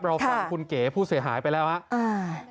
เราฟังคุณเก๋ผู้เสียหายไปแล้วครับ